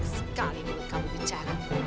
sekali pun kamu bicara